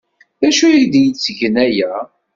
D acu ay d-yettgen aya?